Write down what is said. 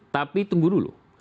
tapi tunggu dulu